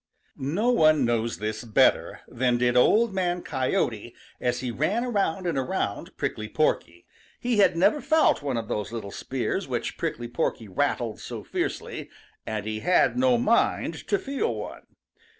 |NO one knows this better than did Old Man Coyote as he ran around and around Prickly Porky. He had never felt one of those little spears which Prickly Porky rattled so fiercely, and he had no mind to feel one.